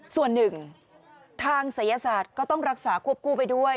ส่วนหนึ่งทางศัยศาสตร์ก็ต้องรักษาควบคู่ไปด้วย